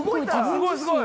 すごいすごい！